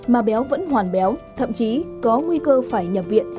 mà béo vẫn hoàn béo thậm chí có nguy cơ phải nhập viện